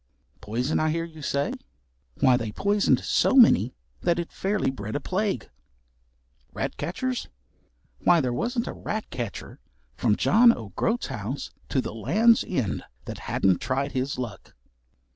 Poison, I hear you say? Why, they poisoned so many that it fairly bred a plague. Ratcatchers! Why there wasn't a ratcatcher from John o' Groat's house to the Land's End that hadn't tried his luck.